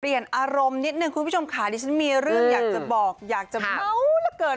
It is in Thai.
อารมณ์นิดนึงคุณผู้ชมค่ะดิฉันมีเรื่องอยากจะบอกอยากจะเมาส์เหลือเกิน